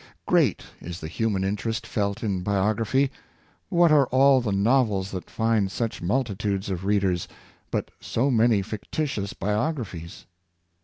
Great is the human interest felt in biography. What are all the novels that find such multitudes of readers, but so many fictitious biographies.